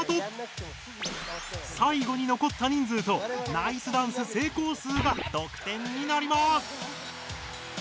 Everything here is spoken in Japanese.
さいごに残った人数とナイスダンス成功数が得点になります。